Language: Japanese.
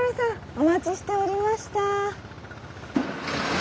お待ちしておりました！